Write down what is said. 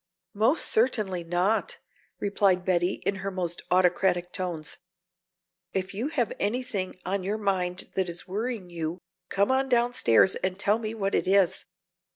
"Most certainly not," returned Betty in her most autocratic tones. "If you have anything on your mind that is worrying you, come on downstairs and tell me what it is.